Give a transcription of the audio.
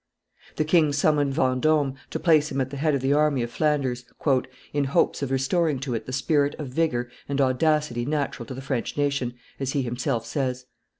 The king summoned Vendome, to place him at the head of the army of Flanders, "in hopes of restoring to it the spirit of vigor and audacity natural to the French nation," as he himself says.